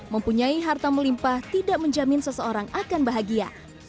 mempunyai harta melimpah tidak menjamin seseorang akan bahagia